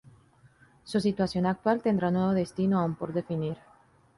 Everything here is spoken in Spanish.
Su ubicación actual tendrá un nuevo destino, aún por definir.